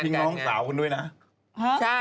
มีภาพพิมพ์น้องสาวคือนด้วยนะ